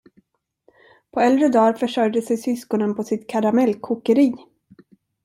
På äldre dar försörjde sig syskonen på sitt karamellkokeri.